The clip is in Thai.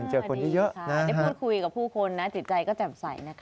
ดีค่ะได้พูดคุยกับผู้คนนะจิตใจก็แจ่มใสนะครับ